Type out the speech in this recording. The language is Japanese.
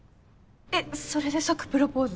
えっそれで即プロポーズ？